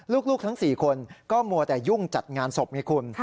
ลูกทั้ง๔คนก็มัวแต่ยุ่งจัดงานศพไงคุณ